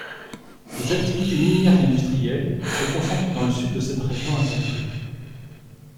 Les activités minières et industrielles se concentrent dans le sud de cette région agricole.